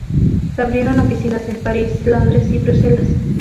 Se abrieron oficinas en París, Londres y Bruselas.